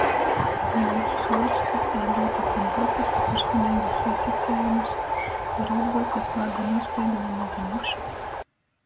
Jauns sūļs, kab īgiutu konkretus i personeigus īsacejumus par ūglekļa pāda nūspīduma mazynuošonu.